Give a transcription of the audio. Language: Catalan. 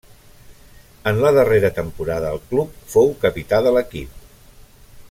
En la darrera temporada al club fou capità de l'equip.